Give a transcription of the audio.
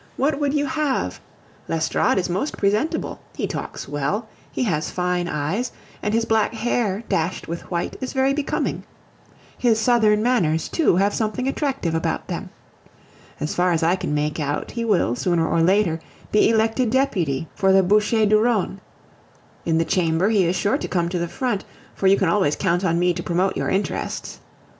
What would you have? L'Estorade is most presentable; he talks well; he has fine eyes; and his black hair, dashed with white, is very becoming; his southern manners, too, have something attractive about them. As far as I can make out, he will, sooner or later, be elected deputy for the Bouches du Rhone; in the Chamber he is sure to come to the front, for you can always count on me to promote your interests.